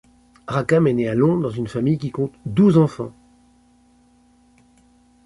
Rackham est né à Londres dans une famille qui compte douze enfants.